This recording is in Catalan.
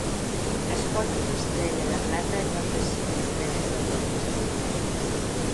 Es porta una estrella de plata en lloc de cinc estrelles de bronze.